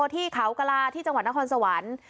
ที่เขากระลาที่จังหวัดนครสวรรค์